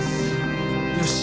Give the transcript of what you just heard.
よし。